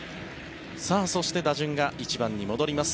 そして、打順が１番に戻ります。